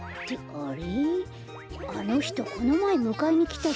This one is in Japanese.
あれ？